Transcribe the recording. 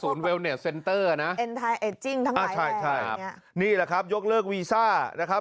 ศูนย์เวลเนียร์เซนเตอร์นะเอ็นไทเอจจิ้งทั้งแรกใช่นี่แหละครับยกเลิกวีซ่านะครับ